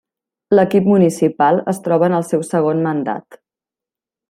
L'equip municipal es troba en el seu segon mandat.